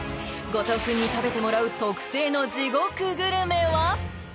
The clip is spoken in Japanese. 後藤君に食べてもらう特製の地獄グルメは？